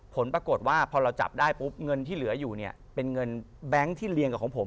ผลปรากฏว่าพอเราจับได้ปุ๊บเงินที่เหลืออยู่เนี่ยเป็นเงินแบงค์ที่เรียงกับของผม